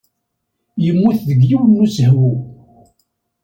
Yemmut deg yiwen n usehwu.